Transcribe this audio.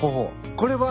これは？